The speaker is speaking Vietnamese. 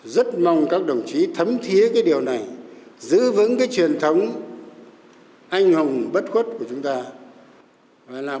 rất mong các đồng chí thấm thiế cái điều này giữ vững cái truyền thống anh hùng bất khuất của chúng ta